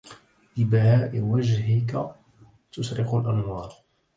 ببهاء وجهك تشرق الأنوار